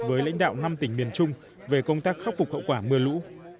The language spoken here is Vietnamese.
với lãnh đạo năm tỉnh miền trung về công tác khắc phục hậu quả mưa lũ